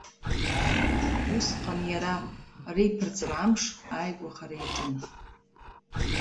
Усҟан иара, реиԥырҵра амш, ааигәахара иаҿын.